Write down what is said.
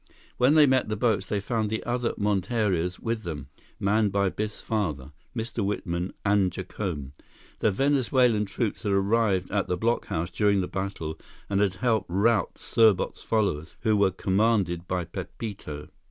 When they met the boats, they found the other monterias with them, manned by Biffs father, Mr. Whitman, and Jacome. The Venezuelan troops had arrived at the blockhouse during the battle and had helped rout Serbot's followers, who were commanded by Pepito.